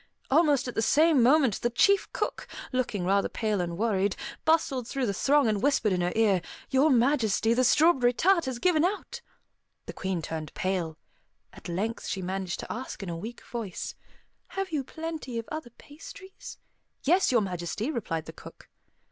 Almost at the same moment, the chief cook, looking rather pale and worried, bustled through the throng and whispered in her ear, "Your Majesty, the strawberry tart has given out!" The Queen turned pale. At length she managed to ask in a weak voice, "Have you plenty of other pastries?" "Yes, Your Majesty," replied the cook.